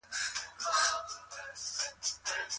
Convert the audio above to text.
ولي محنتي ځوان د لوستي کس په پرتله بریا خپلوي؟